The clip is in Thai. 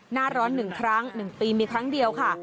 หน้าร้อน๑ครั้ง๑ปีมีครั้งเดียวค่ะ